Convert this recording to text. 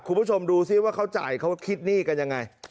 คุณผู้ชมดูซิว่าเขาจ่ายเขาคิดหนี้กันยังไง